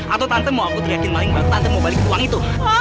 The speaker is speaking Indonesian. atau tante mau aku teriakin balik itu